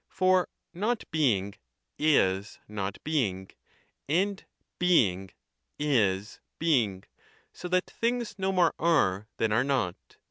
For Not being is Not being and Being is Being, so that things no more are than are not.